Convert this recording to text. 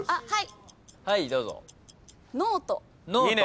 はいどうぞ。